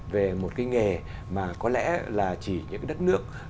về một cái nghề mà có lẽ là chỉ những cái đất nước